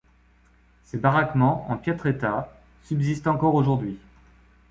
Ces baraquements, en piètre état, subsistent encore aujourd'hui.